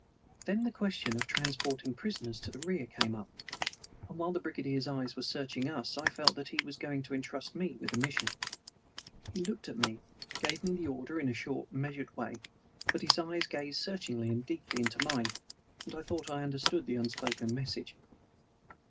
Then the question of transporting prisoners to the rear came up, and while the brigadier's eyes were searching us I felt that he was going to entrust me with that mission. He looked at me, gave me the order in a short, measured way, but his eyes gazed searchingly and deeply into mine, and I thought I understood the unspoken message.